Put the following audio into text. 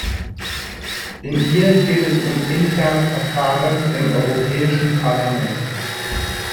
In ihr geht es um interne Verfahren im Europäischen Parlament.